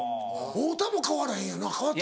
太田も変わらへんよな変わってる？